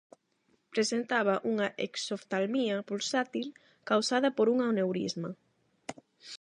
Presentaba unha exoftalmía pulsátil causada por un aneurisma.